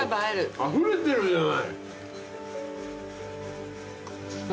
あふれてるじゃない。